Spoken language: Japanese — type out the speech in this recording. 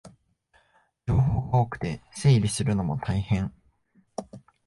情報が多くて整理するのも大変